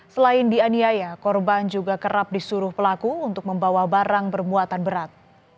selain dianiaya korban juga kerap disuruh pelaku untuk membawa barang bermuatan berat